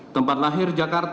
tempat lahir jakarta